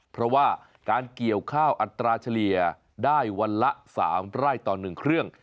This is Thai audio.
เพราะว่าการเกี่ยวข้าวอัตราเฉลี่ยได้วันละ๓ไร่ต่อ๑เครื่อง